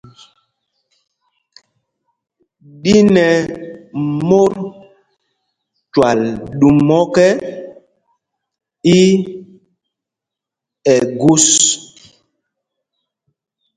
Ɗín ɛ̄ mót twal ɗūm ɔ́kɛ, í Ɛgūs.